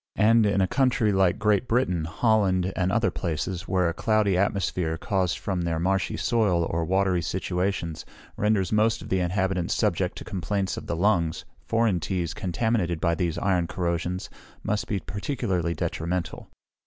And in a country, like Great Britain, Holland, and other places, where a cloudy atmosphere, caused from their marshy soil or watery situation, renders most of the inhabitants subject to complaints of the lungs, foreign teas, contaminated by these iron corrosions, must be particularly detrimental.